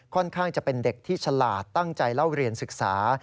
ข้างจะเป็นเด็กที่ฉลาดตั้งใจเล่าเรียนศึกษา